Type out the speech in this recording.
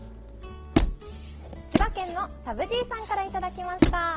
千葉県のさぶじいさんからいただきました。